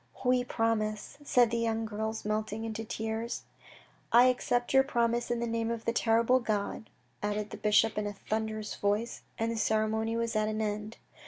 " We promise," said the young girls melting into tears. " I accept your promise in the name of the terrible God," added the bishop in a thunderous voice, and the ceremony was at an end.